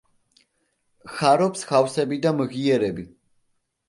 ხარობს ხავსები და მღიერები.